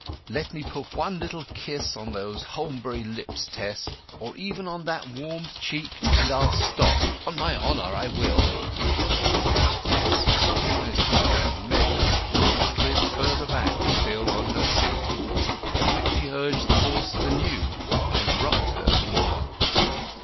"Let me put one little kiss on those holmberry lips, Tess, or even on that warmed cheek, and I'll stop—on my honour, I will!" Tess, surprised beyond measure, slid farther back still on her seat, at which he urged the horse anew, and rocked her the more.